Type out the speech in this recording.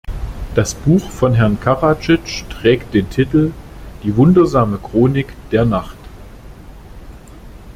Das Buch von Herrn Karadzic trägt den Titel "Die Wundersame Chronik der Nacht".